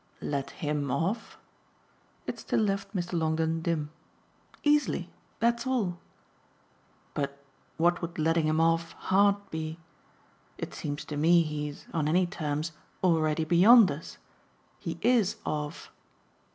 "Let him off?" It still left Mr. Longdon dim. "Easily. That's all." "But what would letting him off hard be? It seems to me he's on any terms already beyond us. He IS off."